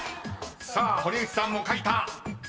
［さあ堀内さんも書いた］